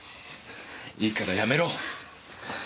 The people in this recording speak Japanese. いいからやめろ。